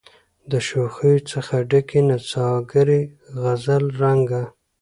د شوخیو څخه ډکي نڅاګرې غزل رنګه